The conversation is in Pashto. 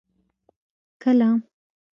کله.